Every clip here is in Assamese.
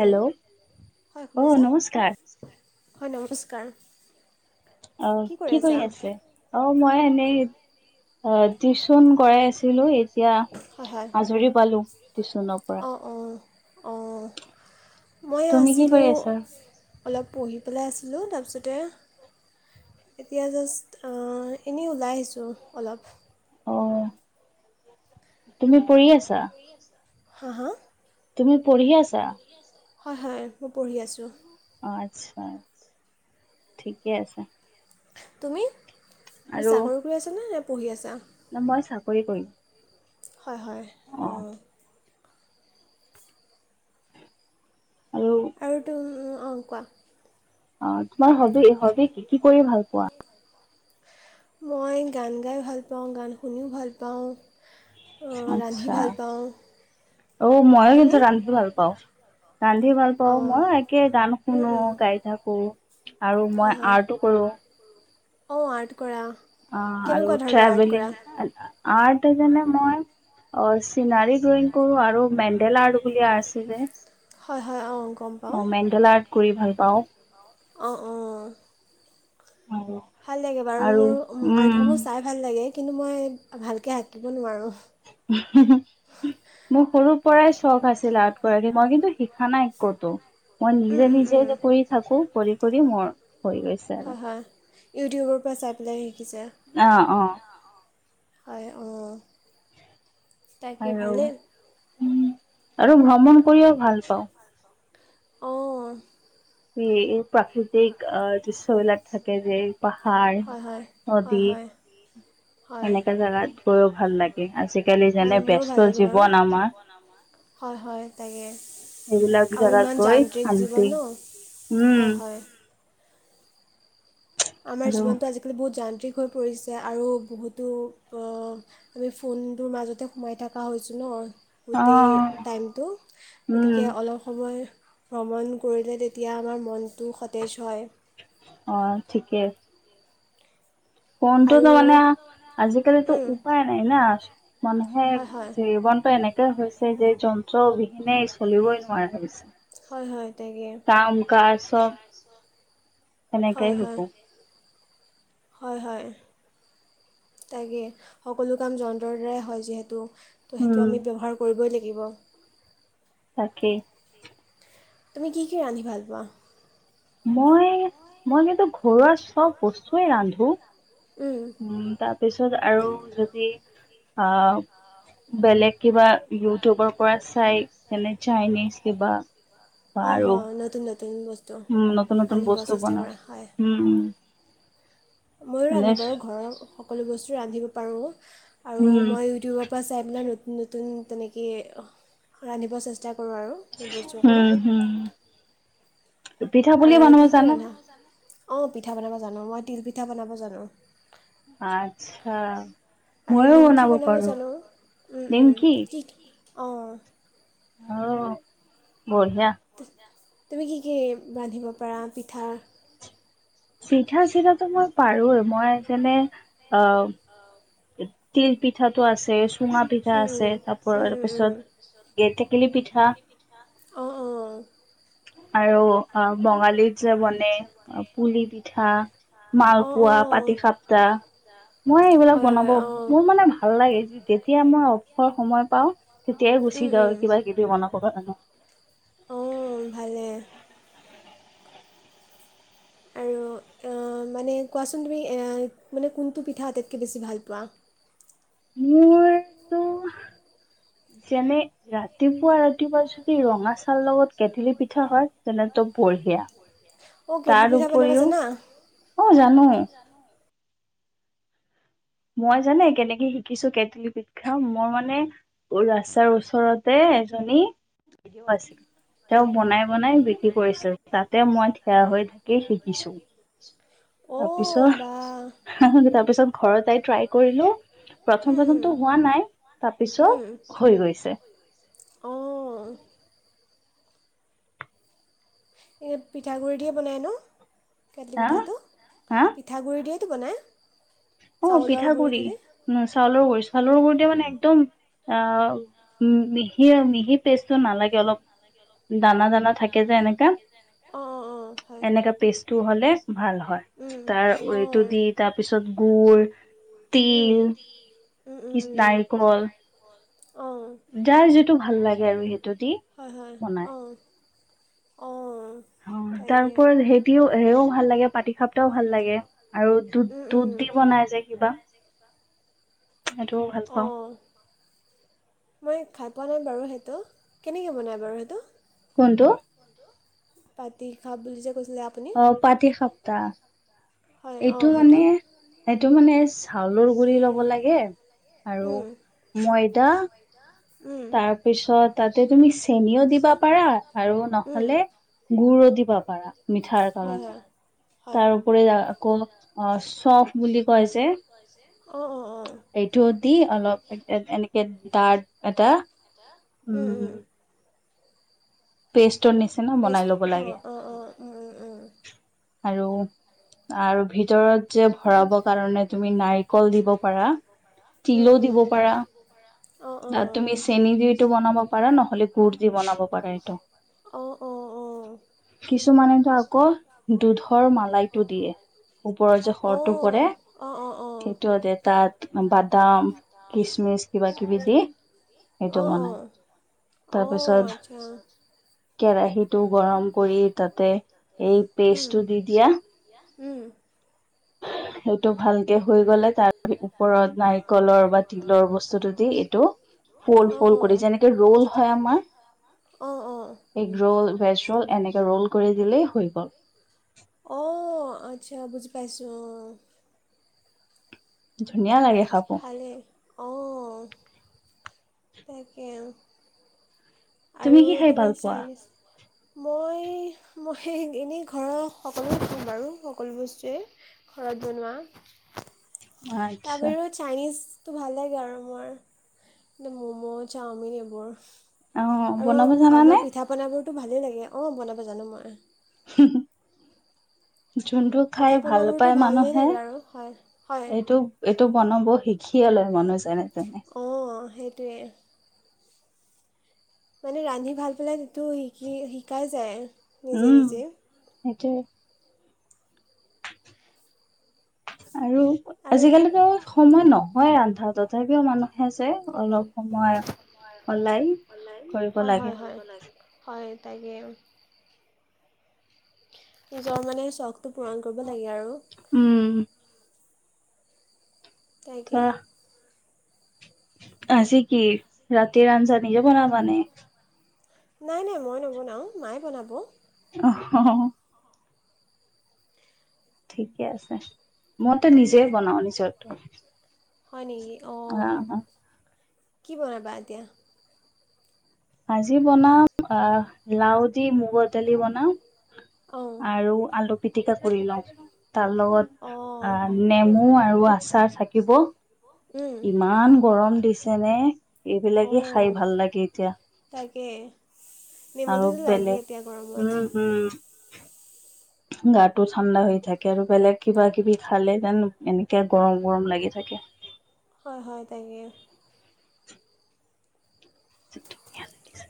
হেল্ল' অ নমস্কাৰ হয় নমস্কাৰ অ কি কৰি আছে অ মই এনেই অ টিউশ্যন কৰাই আছিলো এতিয়া আজৰি পালো টিউশ্যনৰ পৰা অঁ মইয়ো আছিলোঁ অলপ পঢ়ি পেলাই আছিলোঁ তাৰপিছতে এতিয়া জাষ্ট এনেই ওলাই আহিছোঁ অলপ অ তুমি পৰি আছা হা হা তুমি পঢ়ি আছা হয় হয় মই পঢ়ি আছোঁ আচ্ছা ঠিকে আছে তুমি তুমি চাকৰি কৰি আছানে নে পঢ়ি আছা ন মই চাকৰি কৰিম হয় হয় অঁ আৰু ত অ কোৱা অ তোমাৰ সবি হবি কি কি কৰি ভাল পোৱা মই গান গাই ভাল পাওঁ গান শুনিও ভাল পাওঁ আহ ৰান্ধি ভাল পাওঁ অ মইয়ো কিন্তু ৰান্ধিটো ভাল পাওঁ ৰান্ধি ভাল পাওঁ মই একে গান শুনো গাই থাকো আৰু মই আৰ্টো কৰো অ আ অ আৰু ট্ৰেভেলিং আৰ্ট যেনে মই অ চিনাৰি ড্ৰয়িং কৰো আৰু মেণ্ডেল আৰ্ট বুলি আছিল যে হয় হয় অঁ অ মেণ্ডেল আৰ্ট কৰি ভাল পাওঁ ভাল লাগে বাৰু মোৰ আৰ্টসমূহ চাই ভাল লাগে কিন্তু মই ভালকৈ আাকিব নোৱাৰোঁ মোৰ সৰু পৰাই চখ আছিল আৰ্ট গৰাকী মই কিন্তু শ শিক্ষা নাই কতো মই নিজে নিজে যে কৰি থাকো কৰি কৰি মৰ হৈ গৈছে আৰু ইউটউবৰ পৰা চাইপলাই অ অ হয় অঁ তাকে ভালেই আৰু ভ্ৰমণ কৰিও ভাল পাওঁ। অ'। [unintelligible] প্ৰাকৃতিক আ, দৃশ্যবিলাক থাকে যে, পাহাৰ, নদী। এনেকা জেগাত গৈয়ো ভাল লাগে। আজিকালি যেনে ব্যস্ত জীৱন আমাৰ। হয়, হয় তাকে। আৰু ইমান যান্ত্ৰিক জীৱন ন'। হয়, হয়। আমাৰ জীৱনটো আজিকালি বহুত যান্ত্ৰিক হৈ পৰিছে আৰু বহুতো আমি ফোনটোৰ মাজতে সোমাই থাকা হৈছোঁ ন'। গোটেই টাইমটো, গতিকে অলপ সময়। ভ্ৰমণ কৰিলে তেতিয়া আমাৰ মনটো সতেজ হয়। অ', ঠিকেই। ফোনটো তামানে আজিকালিতো উপায় নাই না, মানুহে জীৱনটো এনেক এ, হৈছে যে, যন্ত্ৰ অবিহনে চলিবই নোৱাৰা হৈ গৈছে কাম, কাজ চব, সেনেকেই হৈছে। হয়, হয়। তাকে, সকলো কাম যন্ত্ৰৰ দ্বাৰাই হয়, যিহেতু। ত' সেইটো আমি ব্যৱহাৰ কৰিবই লাগিব। তাকে। তুমি কি কি ৰান্ধি ভাল পোৱা? মই, মই কিন্তু ঘৰুৱা চব বস্তুৱে ৰান্ধো। উম, তাৰপিছত আৰু যদি অহ বেলেগ কিবা ইউটিউবৰ পৰা চাই কেনে চাইনিজ কিবা। অ', হ' নাটো উম, নতুন নতুন বস্তু বনাই উম, উম। ময়ো ৰান্ধো বাৰু, ঘৰৰ সকলো বস্তু ৰান্ধিব পাৰোঁ। আৰু মই ইউটিউবৰ পৰা চাই পেলাই নতুন নতুন তেনেকৈ ৰান্ধিব চেষ্টা উম, হম, পিঠা পুলিয়ে বনাব জানানে? অ', পিঠা বনাব জানো, মই তিলপিঠা বনাব জানো। আচ্ছা। আৰু নিমকি বনাব জানো উম, উম, কি কি? অ'। অহ, বঢ়িয়া। তুমি কি কি ৰান্ধিব পাৰা পিঠা? চিধা চিধাটো মই পাৰোঁৱেই মই যেনে অহ, তিল পিঠাত টো আছেই চুঙা পিঠা আছে তাৰপৰ পিছত এ টেকেলি পিঠা। অ', অ', অ'। [inaudible] আৰু অ', বঙালীত যে বনে পুলি পিঠা, মালপোৱা, পাটি টি সাপ্তা মই এইবিলাক বনাব মোৰ মানে ভাল লাগে যি যেতিয়া মই অফৰ সময় পাওঁ তেতিয়াই গুচি যাওঁ কিবা কিবি বনাব কাৰণে। অ', ভালে। আৰু অ' অ', মানে কোৱাচোন তুমি অ', মানে কোনটো পিঠা আটাইতকৈ বেছি ভাল পোৱা? মোৰ যেনে, ৰাতিপুৱা, ৰাতিপুৱা যদি ৰঙা চাহৰ লগত কেটলি পিঠা হয়, তেনে, ত' বঢ়িয়া তাৰ উপৰিও, অ', জানো। মই জানে কেনেকে শিকিছোঁ, কেটলি পিঠা মই মানে ৰাস্তাৰ ওচৰতে এজনী‌ [unintelligible] আছিল। তেওঁ বনাই, বনাই বিক্ৰী কৰিছে তাতে মই ঠিয় হৈ থাকি শিকিছো। তাৰপিছত তাৰ পিছত ঘৰতেই ট্ৰাই কৰিলো প্ৰথম-প্ৰথমেটো হোৱা নাই তাৰপিছত, হৈ গৈছে। এই পিঠাগুড়ি দিয়ে বনাই ন কেটলি পিঠাটো পিঠাগুড়ি দিয়ে। টো বনায়। অ, পিঠাগুডৰি চাউলৰ গুৰি চাউলৰ গুৰিতে মানে একদম অ, মিহি-মিহি পেষ্টটো নালাগে অলপ দানা-দানা থাকে। কেটলি যে এনেকে। এনেকা পেষ্টটো হ'লে ভাল হয় তাৰ এইটো দি তাৰপিছত গুৰ তিল কিষ নাৰিকল। যাৰ যিটো ভাল লাগে আৰু সেইটো দি বনাই। অ, তাৰপৰাও সেতিও সেও ভাল লাগে পাতি খাপটাও ভাল লাগে আৰু দু দুধ দি বনাই যে। কিবা সেইটোও ভাল পাওঁ। খাই পোৱা নাই বাৰু সেইটো কেনেকৈ বনায় বাৰু সেইটো। কোনটো? পাতি খা বুলি যে অ, পাতি সপ্তাহ এইটো মানে এইটো মানে চাউলৰ গুৰি ল'ব লাগে। আৰু ময়দা। তাৰপিছত তাতে তুমি চেনীও দিবা পাৰা আৰু নহলে গুৰু দিবা পাৰা মিঠাৰ কাৰণে। তাৰপৰি আকৌ অহ চফ বুলি কৈ যে, এইটোও দি অলপ এনেকে দা এটা উম, পেছ পেষ্ট অ-অ-অ, উ-উ, আৰু-আৰু ভিতৰত উম-উম। তাত তুমি চেনী দি এইটো বনাব পাৰা, নহ'লে গুড় দি বনাব পাৰা এইটো। কিছুমানেতো আকৌ দুধৰ মালাইতটো দিয়ে, ওপৰত। উপৰত যে সৰটো পৰে, সিতো দে তাত। বাদাম, কিচমিচ কিবা কিবি দি এইটো বনাই, তাৰপিছত কেৰাহিটো গৰম কৰি তাতে এই পেষ্টটো দি দিয়া। উম। সেইটো ভাল। হৈ গ'লে তাৰ ওপৰত নাৰিকলৰ বা তিলৰ বস্তুটো দি এইটো ফ'ল-ফ'ল কৰি যেনেকে ৰোল হয় আমাৰ। এগ ৰোল, ভেজ ৰোল, এনেকে ৰোল কৰি দিলেই হৈ গ'ল। অ, আচ্চা, পাইছোঁ অ, ধুনী ভালে, অ, তাকে। আৰু তুমি চাইনিজ, মই? মই এনেই ঘৰৰ সকলোৱ থম বাৰু, সকলো বস্তুৱে ঘৰত বনোৱা। [inaudible] তাৰপৰিও চাইনিজ। তো ভাল লাগে আৰু মোৰ এ, ম'ম', চাওমিন এইবোৰ। আৰু আমাৰ পিঠা পনাবোৰতো ভালেই লাগে। অ, বনাব জানো মই। [unintelligible] যোনটো খাই ভাল পায় মানুহে, এইটো-এইটো বনাব শিক। খিয়াল হয় মানুহ যেনে, তেনে। সেইটোৱেই। মানে ৰান্ধি ভাল পেলাই সেইটো, শিকি-শিকাই যায়, নিজে, নিজে। সেইটোৱে। আৰু আজিকালিতো সময় নহয় ৰন্ধা তথাপিও মানুহে আছে, অলপ। আমৰ সলাই কৰিব লাগে। হয়, তাকে। নিজৰ মানে, চখটো পূৰণ কৰিব লাগে আৰু। তাকে। আজি কি, ৰাতিৰ আঞ্জা নিজে বনাবানে? নাই, নাই, মই নবনাওঁ, মায়ে বনাব। অহ। ঠিকে আছে, মইতো নিজে বনাও নিজৰটো। হয় নেকি? অ', অ'। কি বনাবা এতিয়া? আজি বনাম অহ, লাওঁ দি মূগৰ দালি বনাম। আৰু আলু পিটিকা কৰি লওঁ, তাৰ লগত অ', নেমু মূ, আৰু আচাৰ থাকিব, ইমান গৰম দিছে নে। এইবিলাকে খাই ভাল লাগে এতিয়া। তাকে। আৰু বেলেগ হম, হম। গাটো ঠাণ্ডা হৈ থাকে, আৰু বেলেগ কিবা, কিবি খালে যেন এনেকে গৰম গৰম লাগি থাকে। কে। হয়, হয় তাকে। ইটো ধুনীয়া লাগিছে।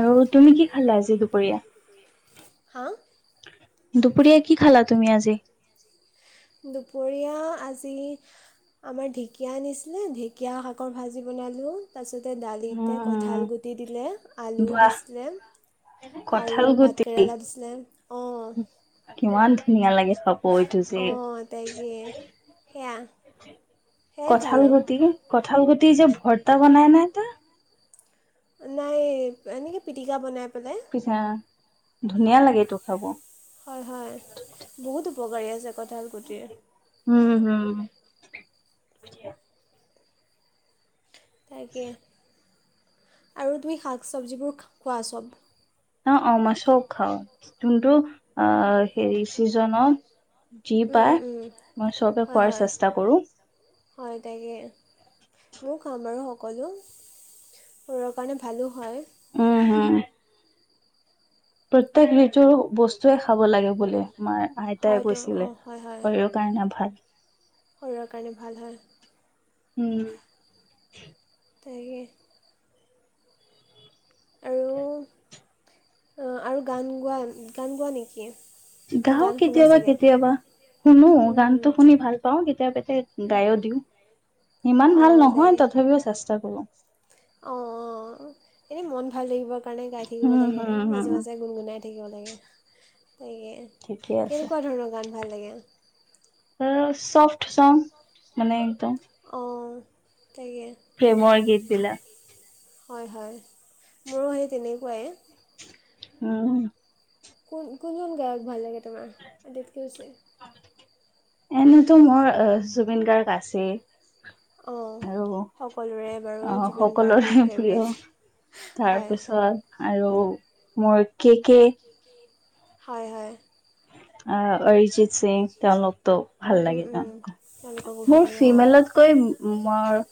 আৰু তুমি কি খালা আজি দুপৰীয়া? হা? দুপৰীয়া কি খালা তুমি আজি? দুপৰীয়া আজি আমাৰ ঢেঁকীয়া আনিছিলে ঢেঁকীয়া শাকৰ ভাজি বনালোঁ তাৰপিছত তাতে দালিতে কঁঠাল গুটি দিলে আলু দিছিলে আৰু ভাতকেৰেলা দিছিলে অঁ কিমান ধুনীয়া লাগে [unintelligible] এইটো যে কঠাল গুটি কঠাল গুটি যে ভৰ্তা বনাই নাই তই নাই এনেকে পিটিকা বনাই [unintelligible] ধুনীয়া লাগেটো খাব হয় হয় বহুত উপকাৰী আছে কঁঠাল গুটিৰ উম হম তাকে আৰু তুমি শাক [unintelligible] খোৱা চব অ অ মাছও খাওঁ যোনটো আহ হেৰি চিজনত যি পায় মই চবে খোৱাৰ চেষ্টা কৰো হয় তাকে মোক খাম বাৰু সকলো শৰিৰৰ কাৰণে ভালো হয় উম হম প্ৰত্যেক ঋতুৰ বস্তুৱে খাব লাগে বুলে আমাৰ আইতাই কৈছিলে শৰিৰৰ কাৰণে ভাল শৰীৰৰ কাৰণে ভাল হয়। উম। তাকে আৰু, আ, আৰু গান গোৱা, গান গোৱা নিকি? গাওঁ কেতিয়াবা, কেতিয়াবা, শুনোঁ গানটো শুনি ভাল পাওঁ। [unintelligible] [unintelligible] দিওঁ। ইমান ভাল নহয়, তথাপিও চেষ্টা কৰোঁ। এনেই মন ভাল থাকিবৰ কাৰণে গায় থাকিব লাগে। মাজে, মাজে গুণগুণাই থাকিব লাগে। তাকে, কেনেকুৱা ধৰণৰ গান ভাল লাগে? চফ্ট চং মানে অ'। প্ৰেমৰ গীত বিলাক। হয়, হয়, মোৰো সেই তেনেকুৱাই। উম। কোন, কোনজন গায়ক ভাল লাগে তোমাৰ? আটাইতকৈ বেছি? এনেতো মোৰ অ', জুবিন গাৰ্গ আছে। অ', সকলোৰে বাৰু জুবিন গাৰ্গেই ফেভৰেট। তাৰপিছত আৰু মোৰ কেকে। হয়, হয়। আ, অৰিজিৎ ছে তেওঁলোকটো ভাল লাগে তেওঁল মোৰ ফিমেলতকৈ উম, উম। মোৰ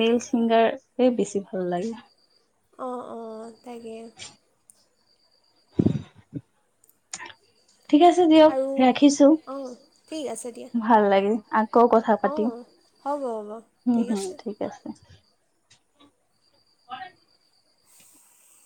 মেইল ছিংগাৰ এ বেছি ভাল লাগে। অ', অ', তাকে। ঠিক আছে দিয়ক, ৰাখিছোঁ ভাল লাগিল। আকৌ কথা পাতিম হম, উম, ঠিক আছে। [inaudible]